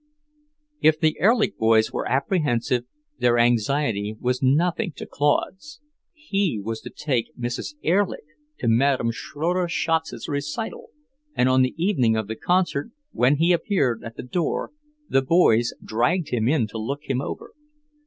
If the Erlich boys were apprehensive, their anxiety was nothing to Claude's. He was to take Mrs. Erlich to Madame Schroeder Schatz's recital, and on the evening of the concert, when he appeared at the door, the boys dragged him in to look him over.